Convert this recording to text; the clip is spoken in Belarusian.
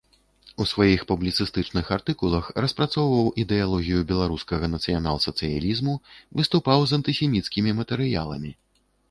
У сваіх публіцыстычных артыкулах распрацоўваў ідэалогію беларускага нацыянал-сацыялізму, выступаў з антысеміцкімі матэрыяламі.